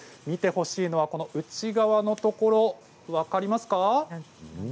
見てほしいのはこの内側のところ分かりますか？